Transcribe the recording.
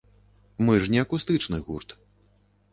Мы ж не акустычны гурт.